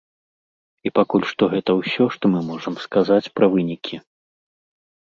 І пакуль што гэта ўсё, што мы можам сказаць пра вынікі.